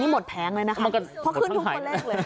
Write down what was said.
นี่หมดแพงเลยนะคะเพราะขึ้นทุ่มคนเลขเลย